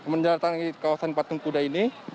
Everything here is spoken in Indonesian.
menjalankan kawasan patung kuda ini